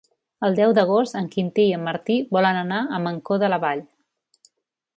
El deu d'agost en Quintí i en Martí volen anar a Mancor de la Vall.